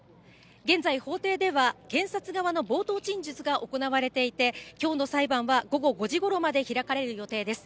現在、法廷では検察側の冒頭陳述が行われていて、きょうの裁判は午後５時頃まで開かれる予定です。